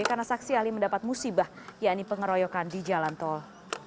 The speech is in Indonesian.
karena saksi ahli mendapat musibah yang dipengeroyokan di jalan tol